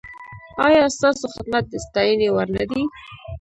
ایا ستاسو خدمت د ستاینې وړ نه دی؟